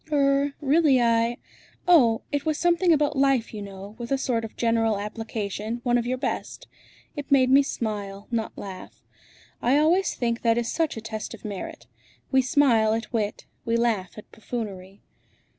"Er really I oh! it was something about life, you know, with a sort of general application, one of your best. It made me smile, not laugh. I always think that is such a test of merit. We smile at wit; we laugh at buffoonery."